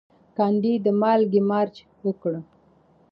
ګاندي د مالګې مارچ وکړ.